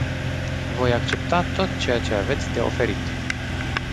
Voi accepta tot ceea ce aveți de oferit.